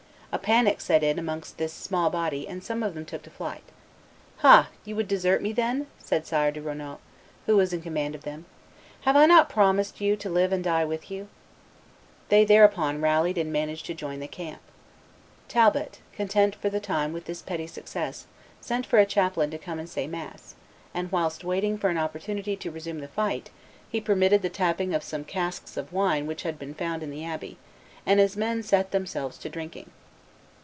A panic set in amongst this small body, and some of them took to flight. "Ha! you would desert me then?" said Sire de Rouault, who was in command of them; "have I not promised you to live and die with you?" They thereupon rallied and managed to join the camp. Talbot, content for the time with this petty success, sent for a chaplain to come and say mass; and, whilst waiting for an opportunity to resume the fight, he permitted the tapping of some casks of wine which had been found in the abbey, and his men set themselves to drinking.